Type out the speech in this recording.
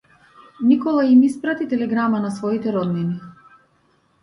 Никола им испрати телеграма на своите роднини.